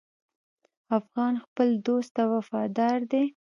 افغان خپل دوست ته وفادار دی.